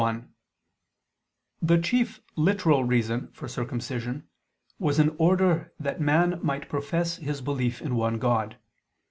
1: The chief literal reason for circumcision was in order that man might profess his belief in one God.